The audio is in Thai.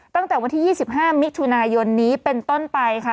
ตั้งแต่วันที่๒๕มิถุนายนนี้เป็นต้นไปค่ะ